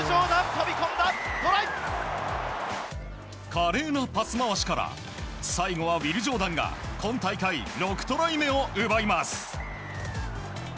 華麗なパス回しから最後はウィル・ジョーダンが今大会６トライ目を奪います。